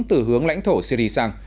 từ hướng lãnh thổ syri sang